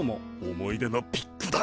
思い出のピックだ！